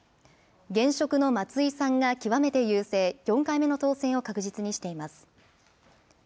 現職の松井さんが極めて優勢、４回目の当選を確実にしています。